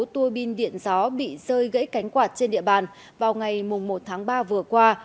tuôi bin điện gió bị rơi gãy cánh quạt trên địa bàn vào ngày một tháng ba vừa qua